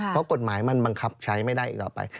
เพราะกฎหมายมันบังคับใช้ไม่ได้อีกต่อไป